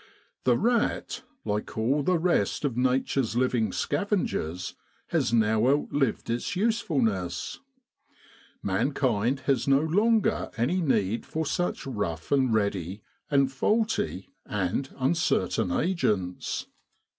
The rat, like all the rest of Nature's living scavengers, has now outlived its usefulness. Mankind has no longer any need for such rough and ready, and faulty, and uncertain agents.